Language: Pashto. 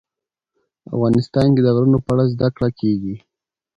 افغانستان کې د غرونه په اړه زده کړه کېږي.